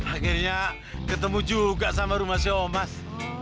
akhirnya ketemu juga sama rumah si omas